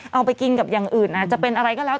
เอาไปกินกับอย่างอื่นอาจจะเป็นอะไรก็แล้ว